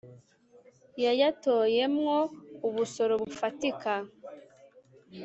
yayatoye mwo ubusoro bufatika